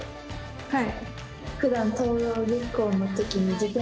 はい。